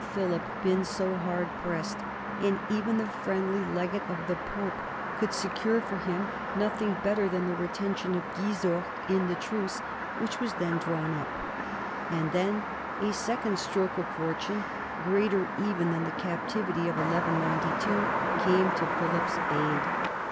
136 NORMANS IN EUROPEAN HISTORY Philip been so hard pressed, and even the friendly legate of the Pope could secure for him nothing better than the retention of Gisors in the truce which was then drawn up. And then a second stroke of fortune, greater even than the captivity of 1192, came to Philip's aid.